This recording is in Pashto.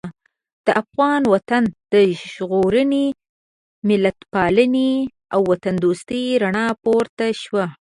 د افغان وطن د ژغورنې، ملتپالنې او وطندوستۍ ناره پورته شوه.